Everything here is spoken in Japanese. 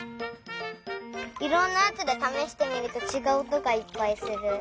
いろんなやつでためしてみるとちがうおとがいっぱいする。